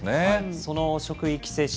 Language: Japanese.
その職域接種。